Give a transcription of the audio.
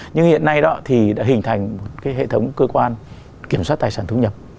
nhưng hiện nay đó thì đã hình thành cái hệ thống cơ quan kiểm soát tài sản thu nhập